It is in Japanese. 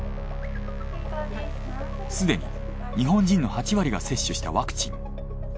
すでに日本人の８割が接種したワクチン。